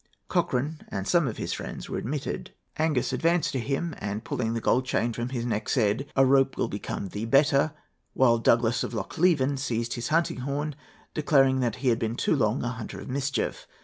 Cochran and some of his friends were admitted. Angus advanced to him, and pulling the gold chain from his neck, said, 'A rope will become thee better,' while Douglas of Lochleven seized his hunting horn, declaring that he had been too long a hunter of mischief.